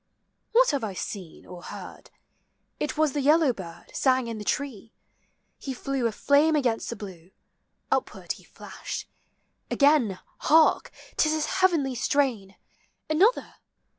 What have I seen or heard? it was the yellow bird Sang in the tree : he flew a flame against the blue ; Upward he flashed. Again, hark! 't is his heavenly strain, Another